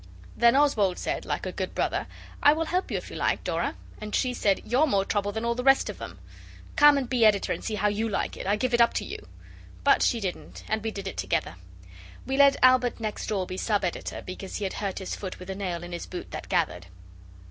Then Oswald said, like a good brother: 'I will help you if you like, Dora,' and she said, 'You're more trouble than all the rest of them! Come and be editor and see how you like it. I give it up to you.' But she didn't, and we did it together. We let Albert next door be sub editor, because he had hurt his foot with a nail in his boot that gathered.